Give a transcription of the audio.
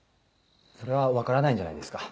それは分からないんじゃないですか。